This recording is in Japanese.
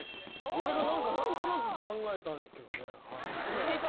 俺がなんとなく考えたんですけどね。